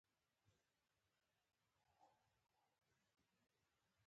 دوی پلان درلود چې پاتې درې لمونځونه به هم دلته کوي.